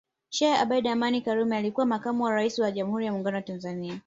Sheikh Abeid Amani Karume alikuwa Makamu wa Rais wa Jamhuri ya Muungano wa Tanzania